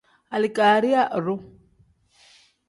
Alikariya iru.